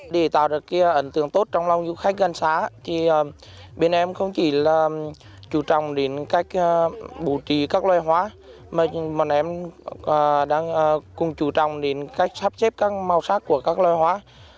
để tạo ra ấn tượng tốt trong lòng du khách gần xá bên em không chỉ là chủ trọng đến cách bố trí các loài hoa mà bên em cũng đang chủ trọng đến cách sắp xếp các màu sắc của các loài hoa